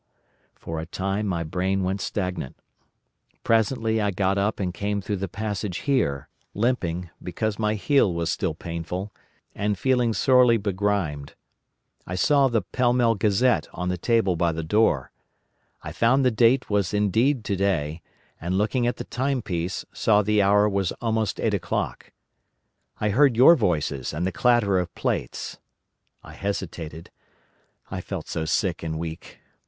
"For a time my brain went stagnant. Presently I got up and came through the passage here, limping, because my heel was still painful, and feeling sorely begrimed. I saw the Pall Mall Gazette on the table by the door. I found the date was indeed today, and looking at the timepiece, saw the hour was almost eight o'clock. I heard your voices and the clatter of plates. I hesitated—I felt so sick and weak.